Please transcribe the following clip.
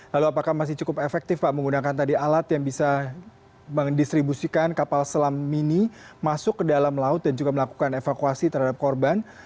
lalu apakah masih cukup efektif pak menggunakan tadi alat yang bisa mendistribusikan kapal selam mini masuk ke dalam laut dan juga melakukan evakuasi terhadap korban